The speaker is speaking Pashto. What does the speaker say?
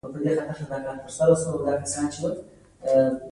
چې ستاسې د لاشعور منځپانګې په فزيکي او رښتينې بڼه اړوي.